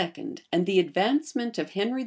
and the advancement of Henry IV.